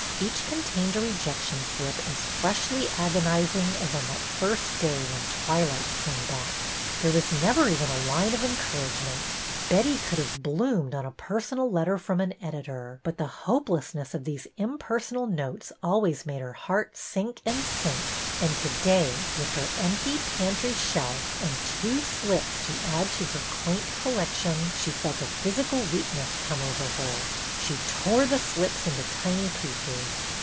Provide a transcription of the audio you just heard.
Each contained a rejection slip as freshly agonizing as on that first day when '' Twilight " came back. There was never even a line of en couragement. Betty could have bloomed on a personal letter from an editor, but the hopeless ness of these impersonal notes always made her heart sink and sink; and to day, with her empty pantry shelf and two slips to add to her quaint collection, she felt a physical weakness come over ''WE REGRET'' ^53 her. She tore the slips into tiny pieces.